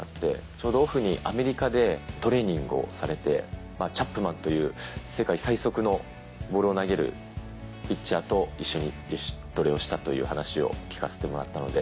ちょうどオフにアメリカでトレーニングをされてチャップマンという世界最速のボールを投げるピッチャーと一緒に自主トレをしたという話を聞かせてもらったので。